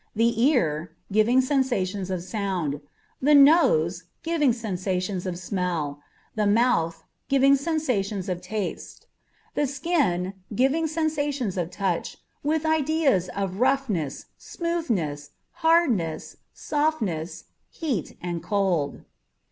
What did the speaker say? The ear, giving sensations of sound. The nose, giving sensations of smell. The mouth, giving sensations of taste. The skin, giving sensations of touch, with ideas of roughness, smoothness, hardness, softness, heat, and cold.